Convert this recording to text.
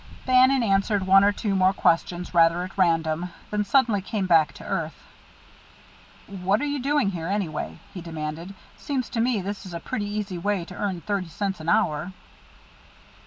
Bannon answered one or two more questions rather at random, then suddenly came back to earth. "What are you doing here, anyway?" he demanded. "Seems to me this is a pretty easy way to earn thirty cents an hour."